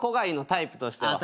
タイプとしては。